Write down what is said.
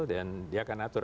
dan dia akan atur